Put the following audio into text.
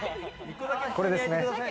これですね。